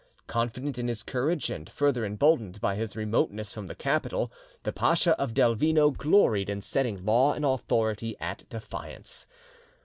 Confident in his courage, and further emboldened by his remoteness from the capital, the Pacha of Delvino gloried in setting law and authority at defiance.